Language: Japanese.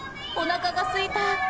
おなかがすいた。